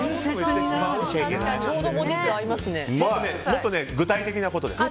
もっと具体的なことです。